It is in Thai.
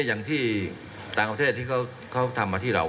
อย่างที่ต่างประเทศที่เขาทำมาที่เรา